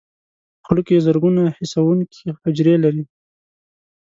په خوله کې زرګونه حسونکي حجرې لري.